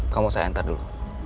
kamu saya enter dulu